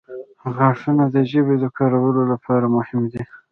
• غاښونه د ژبې د کارولو لپاره مهم دي.